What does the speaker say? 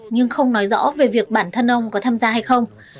nhưng không nói rõ về việc bản thân ông có tham gia hay không